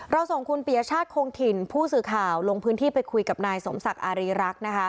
ส่งคุณปียชาติคงถิ่นผู้สื่อข่าวลงพื้นที่ไปคุยกับนายสมศักดิ์อารีรักษ์นะคะ